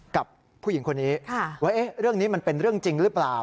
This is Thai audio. กับผู้หญิงคนนี้ว่าเรื่องนี้มันเป็นเรื่องจริงหรือเปล่า